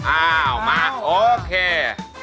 อ้าวมาโอเค